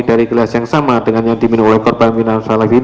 dari kelas yang sama dengan yang diminum oleh korban waria misalien